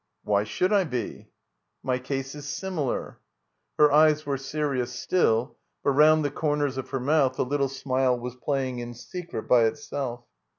"Why should I be?" "My case is similar." Her eyes were serious still, but rotmd the comers of hor mouth a little smile was playing in secret by itself.